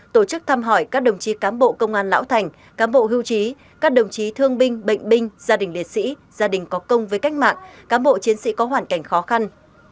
tổ chức thăm hỏi các đồng chí cám bộ công an lão thành cám bộ hưu trí các đồng chí thương binh bệnh binh gia đình liệt sĩ gia đình có công với cách mạng cám bộ chiến sĩ có hoàn cảnh khó khăn